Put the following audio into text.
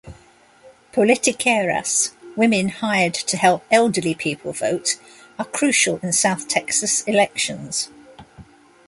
"Politiqueras", women hired to help elderly people vote, are crucial in South Texas elections.